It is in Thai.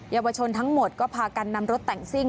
เยาวชนทั้งหมดก็พากันนำรถแต่งซิ่ง